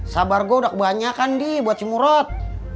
sabar gue udah kebanyakan dih buat si murad